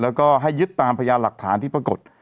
แล้วก็ให้ยึดตามพยานหลักฐานที่ปรากฏ